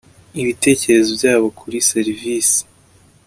ibitekerezo byabo kuri serivisi